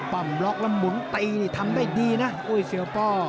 ป้อมล็อกแล้วหมุนตีนี่ทำได้ดีนะอุ้ยเสือป้อ